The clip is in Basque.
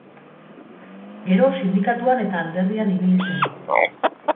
Gero, sindikatuan eta alderdian ibili zen.